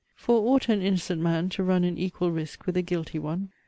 For, ought an innocent man to run an equal risque with a guilty one?